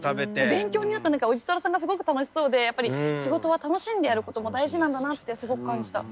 勉強になった何かおじとらさんがすごく楽しそうでやっぱり仕事は楽しんでやることも大事なんだなってすごく感じた。